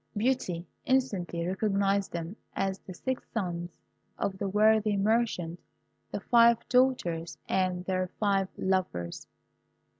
Beauty instantly recognised them as the six sons of the worthy merchant, the five daughters, and their five lovers.